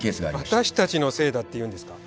私たちのせいだっていうんですか？